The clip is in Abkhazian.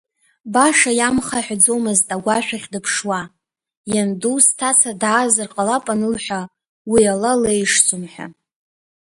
Баша иамхаҳәаӡомызт агәашәахь дыԥшуа, ианду сҭаца даазар ҟалап анылҳәа, уи ала леишӡом ҳәа.